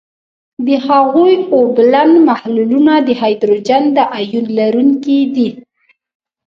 د هغوي اوبلن محلولونه د هایدروجن د آیون لرونکي دي.